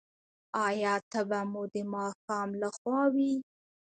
ایا تبه مو د ماښام لخوا وي؟